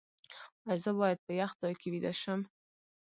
ایا زه باید په یخ ځای کې ویده شم؟